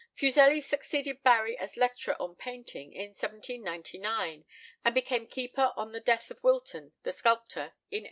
Fuseli succeeded Barry as Lecturer on Painting in 1799, and became Keeper on the death of Wilton, the sculptor, in 1803.